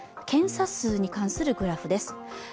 検査数に関するグラフです。